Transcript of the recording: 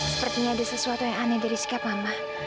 sepertinya ada sesuatu yang aneh dari setiap mama